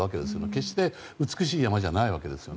決して美しい山じゃないわけです。